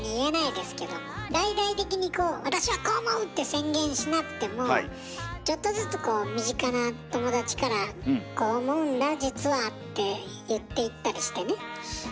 大々的に「私はこう思う！」って宣言しなくてもちょっとずつこう身近な友達から「こう思うんだ実は」って言っていったりしてね。